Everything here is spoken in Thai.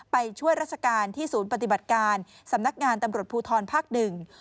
ไปช่วยราชการที่ศูนย์ปฏิบัติการสำนักงานตำรวจภูทรภาคหนึ่ง